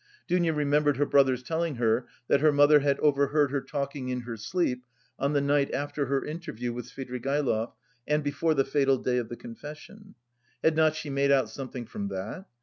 Dounia remembered her brother's telling her that her mother had overheard her talking in her sleep on the night after her interview with Svidrigaïlov and before the fatal day of the confession: had not she made out something from that?